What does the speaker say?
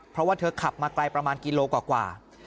เพราะว่าเธอขับมาไกลประมาณกิโลกว่า